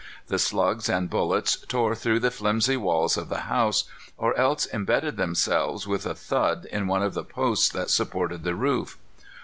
The slugs and bullets tore through the flimsy walls of the house, or else imbedded themselves with a thud in one of the posts that supported the roof.